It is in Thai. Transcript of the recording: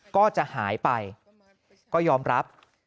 ก็จะหายไปก็ยอมรับ